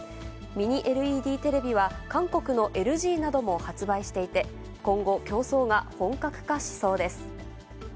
ミニＬＥＤテレビは、韓国のＬＧなども発売していて、今後、競争が本格化しそうです。